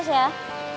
ada sekali arah